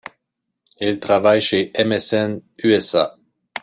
Il travaille chez MSN - USA.